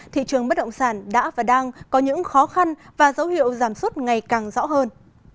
thị trường bất động sản đã và đang có những khó khăn và dấu hiệu giảm suất ngày càng rõ hơn